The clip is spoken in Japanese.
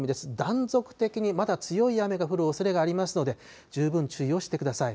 断続的にまだ強い雨が降るおそれがありますので、十分注意をしてください。